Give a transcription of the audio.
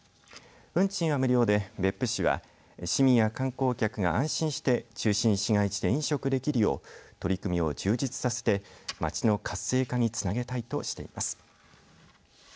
運賃は無料で別府市は市民や観光客が安心して中心市街地で飲食できるよう取り組みを充実させて街の活性化につなげたいとしています